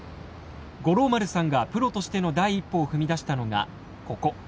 五郎丸さんがプロとしての第一歩を踏み出したのがここ。